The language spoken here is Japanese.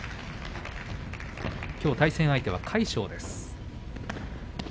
きょう対戦相手は魁勝です。